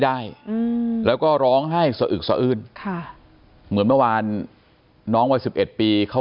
ได้แล้วก็ร้องให้สะอึกสะอื่นเหมือนเมื่อวานน้องวัน๑๑ปีเขา